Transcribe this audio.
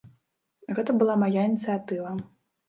Гэта была мая ініцыятыва.